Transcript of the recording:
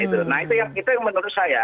nah itu yang menurut saya